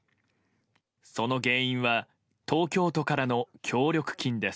その原因は東京都からの協力金です。